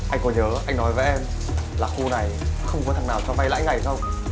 anh có nhớ anh nói với em là khu này không có thằng nào cho vay lãi ngày không